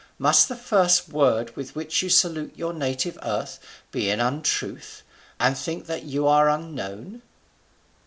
must the first word with which you salute your native earth be an untruth? and think you that you are unknown?"